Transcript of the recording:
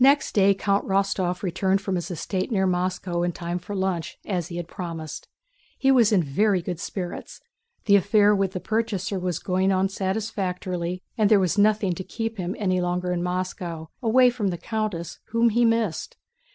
Next day Count Rostóv returned from his estate near Moscow in time for lunch as he had promised. He was in very good spirits; the affair with the purchaser was going on satisfactorily, and there was nothing to keep him any longer in Moscow, away from the countess whom he missed.